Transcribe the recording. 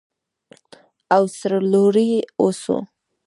او سرلوړي اوسو.